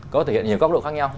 có thể hiện nhiều góc độ khác nhau